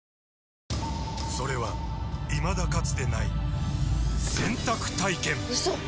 それはいまだかつてない洗濯体験‼うそっ！